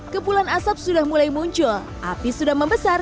kepulan asap sudah mulai muncul api sudah membesar